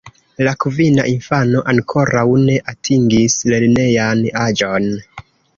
La kvina infano ankoraŭ ne atingis lernejan aĝon.